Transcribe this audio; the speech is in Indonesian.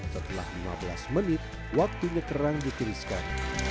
setelah lima belas menit waktunya kerang ditiriskan